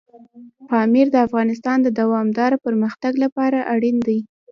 پامیر د افغانستان د دوامداره پرمختګ لپاره اړین دي.